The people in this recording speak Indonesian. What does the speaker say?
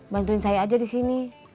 bantuin saya aja di sini